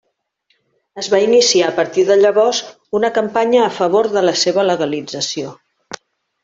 Es va iniciar a partir de llavors una campanya a favor de la seva legalització.